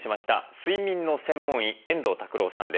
睡眠の専門医遠藤拓郎さんです。